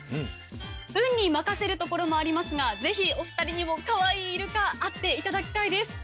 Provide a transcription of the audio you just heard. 運に任せるところもありますがぜひお二人にもかわいいイルカ会っていただきたいです